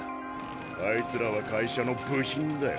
あいつらは会社の部品だよ。